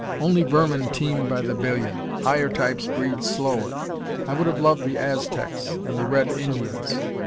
Only vermin teem by the billion. Higher types breed slower. I would have loved the Aztecs and the Red Indians.